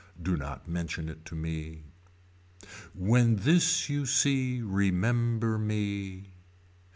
Do not mention it to me. When this you see remember me.